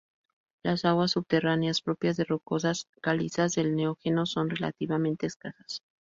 Las aguas subterráneas, propias de rocosas calizas del neógeno son relativamente escasas.